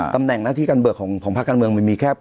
ตำแหน่งหน้าที่การเบิกของภาคการเมืองมันมีแค่